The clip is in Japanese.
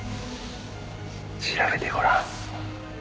調べてごらん。